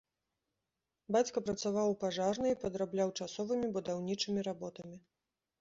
Бацька працаваў у пажарнай і падрабляў часовымі будаўнічымі работамі.